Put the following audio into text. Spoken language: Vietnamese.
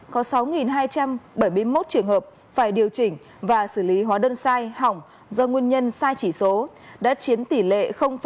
có sáu hai trăm bảy mươi một trường hợp phải điều chỉnh và xử lý hóa đơn sai hỏng do nguyên nhân sai chỉ số đã chiến tỷ lệ hai mươi hai